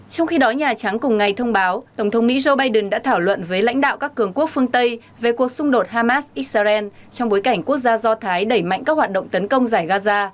trong khi đó nhà trắng cùng ngày thông báo tổng thống mỹ joe biden đã thảo luận với lãnh đạo các cường quốc phương tây về cuộc xung đột hamas israel trong bối cảnh quốc gia do thái đẩy mạnh các hoạt động tấn công giải gaza